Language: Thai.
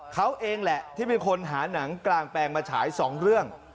เขาเองแหละที่เป็นคนหาหนังกลางแปลงมาฉาย๒เรื่อง